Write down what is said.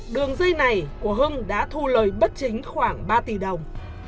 đường dây này của hưng đã thu lời bất chính khoảng ba tỷ đồng